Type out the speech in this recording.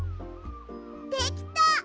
できた！